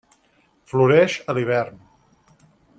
Floreix a l'hivern.